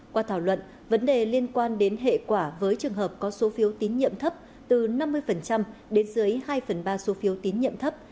qua thảo luận vấn đề liên quan đến hệ quả với trường hợp có số phiếu tín nhiệm thấp từ năm mươi đến dưới hai phần ba số phiếu tín nhiệm thấp